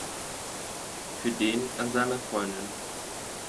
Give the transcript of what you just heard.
Für den an seiner Freundin.